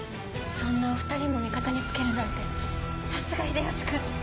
そんなお２人も味方に付けるなんてさすが秀吉君！